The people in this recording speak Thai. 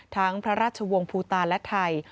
พระราชวงศ์ภูตาและไทย